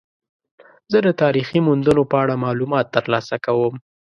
زه د تاریخي موندنو په اړه معلومات ترلاسه کوم.